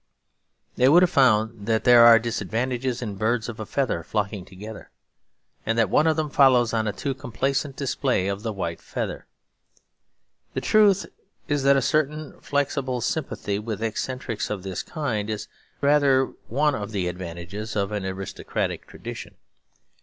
They would have found that there are disadvantages in birds of a feather flocking together; and that one of them follows on a too complacent display of the white feather. The truth is that a certain flexible sympathy with eccentrics of this kind is rather one of the advantages of an aristocratic tradition.